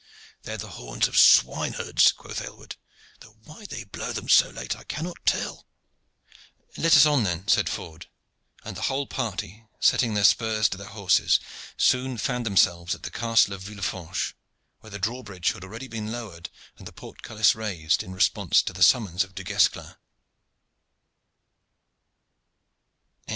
"They are the horns of swine herds," quoth Aylward. "Though why they blow them so late I cannot tell." "Let us on, then," said Ford, and the whole party, setting their spurs to their horses, soon found themselves at the Castle of Villefranche, where the drawbridge had already been lowered and the portcullis raised in response to the summons of Du Guesclin.